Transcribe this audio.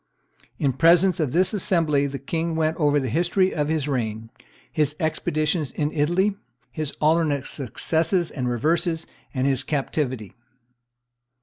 In presence of this assembly the king went over the history of his reign, his expeditions in Italy, his alternate successes and reverses, and his captivity.